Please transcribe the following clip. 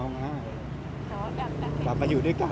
มาอยู่ด้วยกัน